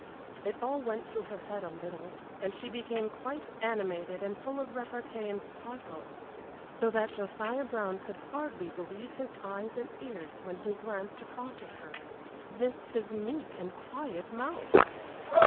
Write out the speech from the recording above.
It all went to her head a little, and she became quite animated and full of repartee and sparkle, so that Josiah Brown could hardly believe his eyes and ears when he glanced across at her. This his meek and quiet mouse!